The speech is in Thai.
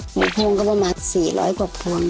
หมูพวงก็ประมาท๔๐๐กว่าพวง